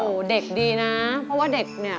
โอ้โหเด็กดีนะเพราะว่าเด็กเนี่ย